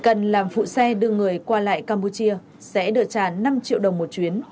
chỉ cần làm phụ xe đưa người qua lại campuchia sẽ đỡ trả năm triệu đồng một chuyến